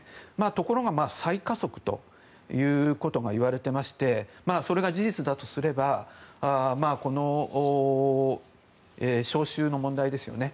ところが、再加速ということがいわれてましてそれが事実だとすればこの招集の問題ですよね。